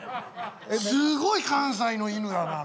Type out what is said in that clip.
すごい関西の犬だな。